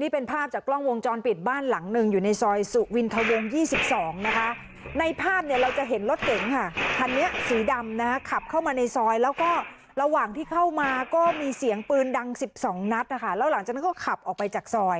นี่เป็นภาพจากกล้องวงจรปิดบ้านหลังหนึ่งอยู่ในซอยสุวินทะวง๒๒นะคะในภาพเนี่ยเราจะเห็นรถเก๋งค่ะคันนี้สีดำนะฮะขับเข้ามาในซอยแล้วก็ระหว่างที่เข้ามาก็มีเสียงปืนดัง๑๒นัดนะคะแล้วหลังจากนั้นก็ขับออกไปจากซอย